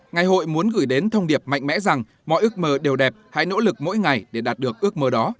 ngày hội muốn gửi đến thông điệp mạnh mẽ rằng mọi ước mơ đều đẹp hãy nỗ lực mỗi ngày để đạt được ước mơ đó